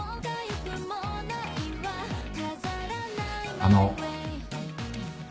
あの。